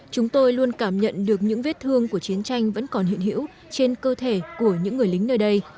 chúng tôi luôn cảm nhận được những vết thương của chiến tranh vẫn còn hiện hữu trên cơ thể của những người lính nơi đây